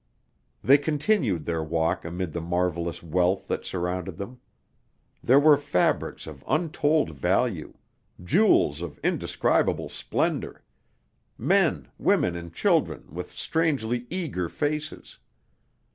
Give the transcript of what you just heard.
They continued their walk amid the marvelous wealth that surrounded them. There were fabrics of untold value; jewels of indescribable splendor; men, women, and children with strangely eager faces.